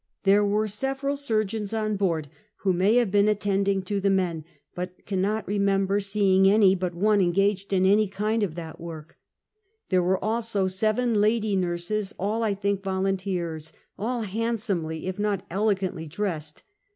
There were several surgeons on board who may have been attending to the men, but cannot remember seeing any but one engaged in any work of that kind. There were also seven lady nurses, all I think volunteers, all handsomely if not elegantly dressed.